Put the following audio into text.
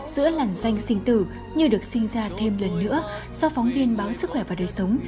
giữa làn danh sinh tử như được sinh ra thêm lần nữa do phóng viên báo sức khỏe và đời sống